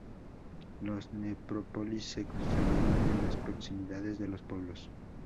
Las necrópolis se construyeron en las proximidades de los pueblos.